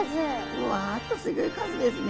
うわっとすギョい数ですね。